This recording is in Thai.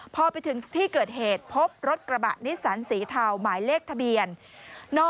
พอไปถึงที่เกิดเหตุพบรถกระบะนิสสันสีเทาหมายเลขทะเบียน